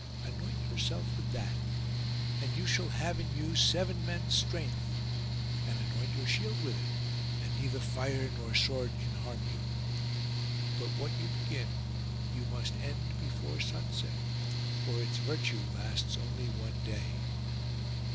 Anoint yourself with that, and you shall have in you seven men's strength; and anoint your shield with it, and neither fire nor sword can harm you. But what you begin you must end before sunset, for its virtue lasts only one day.